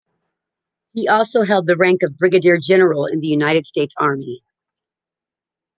He also held the rank of Brigadier General in the United States Army.